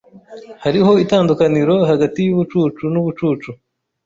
Hariho itandukaniro hagati yubucucu nubucucu.